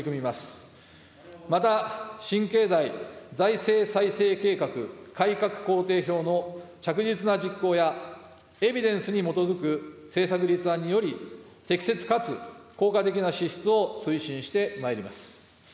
また新経済・財政再生計画改革工程表の着実な実行や、エビデンスに基づく政策立案により、適切かつ効果的な支出を推進してまいります。